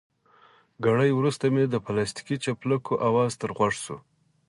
ګړی وروسته مې د پلاستیکي څپلکو اواز تر غوږو شو.